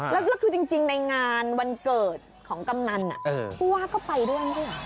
แล้วคือจริงในงานวันเกิดของกำนันผู้ว่าก็ไปด้วยไม่ใช่เหรอ